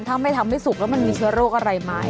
ถ้าไม่ทำให้สุกแล้วมันมีเชื้อโรคอะไรไหม